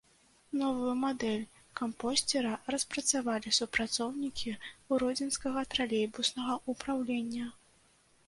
Новую мадэль кампосцера распрацавалі супрацоўнікі гродзенскага тралейбуснага ўпраўлення.